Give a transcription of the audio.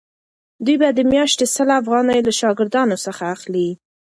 دوی به د میاشتې سل افغانۍ له شاګردانو څخه اخلي.